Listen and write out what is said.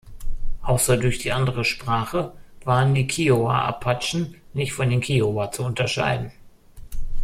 Außer durch die andere Sprache waren die Kiowa-Apachen nicht von den Kiowa zu unterscheiden.